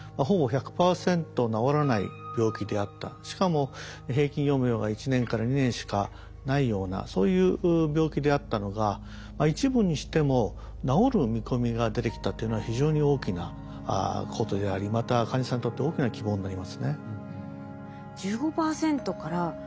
しかも平均余命が１年から２年しかないようなそういう病気であったのが一部にしても治る見込みが出てきたっていうのは非常に大きなことでありまた患者さんにとって大きな希望になりますね。